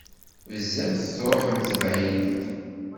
Bezzaf truḥemt bɛid.